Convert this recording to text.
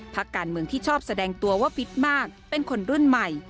พักการเมืองที่ชอบแสดงตัวว่าฟิตมากเป็นคนรุ่นใหม่